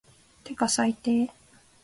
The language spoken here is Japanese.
てか最低